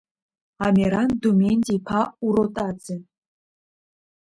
Амеран Доменти-иԥа Уротаӡе.